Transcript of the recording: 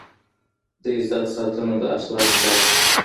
د عزت ساتنه د اخلاقو برخه ده.